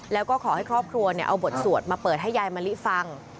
แล้วก็ขอให้ครอบครัวเอาบทสวดมาเปิดให้ยายมะลิฟัง